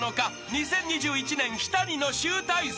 ［２０２１年日谷の集大成］